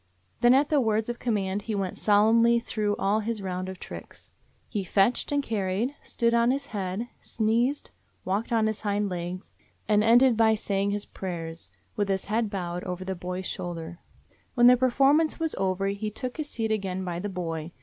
Then at the words of command he went solemnly through all his round of tricks. He 197 DOG HEROES OF MANY LANDS fetched and carried, stood on his head, sneezed, walked on his hind legs, and ended by saying his prayers, with his head bowed over the boy's shoulder. When the performance was over he took his seat again by the boy.